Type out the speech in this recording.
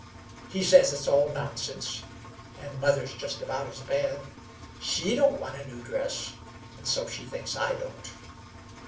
He says it's all nonsense, an' mother's just about as bad. She don't want a new dress, an' so she thinks I don't."